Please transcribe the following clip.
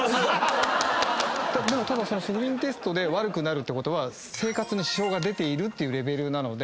不眠テストで悪くなるってことは生活に支障が出ているっていうレベルなので。